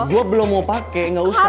gue belum mau pakai gak usah